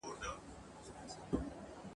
د عقل لاري تر منزله رسېدلي نه دي !.